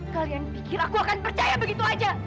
kalian pikir aku akan percaya begitu aja